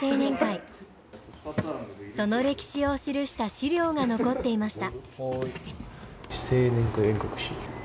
その歴史を記した資料が残っていました。